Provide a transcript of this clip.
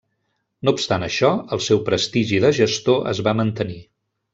No obstant això, el seu prestigi de gestor es va mantenir.